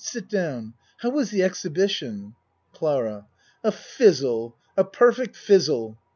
Sit down. How was the exhibition? CLARA A fizzle. A perfect fizzle.